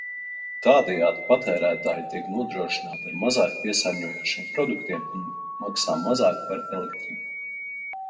Tādējādi patērētāji tiek nodrošināti ar mazāk piesārņojošiem produktiem un maksā mazāk par elektrību.